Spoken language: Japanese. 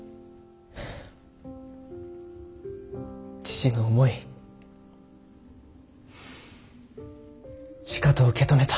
父の思いしかと受け止めた。